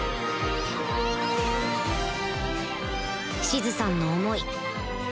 シズさんの思い